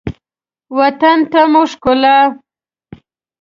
وطن ته مو ښکلا